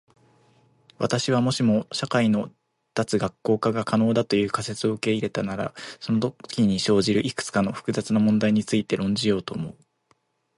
私は、もしも社会の脱学校化が可能だという仮説を受け入れたならそのときに生じるいくつかの複雑な問題について論じようと思う。